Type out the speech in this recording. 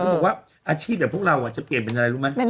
บอกว่าอาชีพแบบพวกเราจะเปลี่ยนเป็นอะไรรู้ไหม